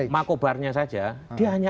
makobarnya saja dia hanya